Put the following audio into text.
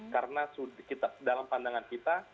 karena dalam pandangan kita